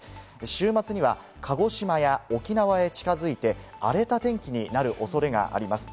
週末には鹿児島や沖縄へ近づいて荒れた天気になる恐れがあります。